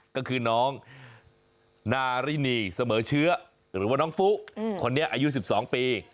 ก็คือน้องนารินีเสมอเชื้อหรือว่าน้องฟุคนนี้อายุ๑๒ปี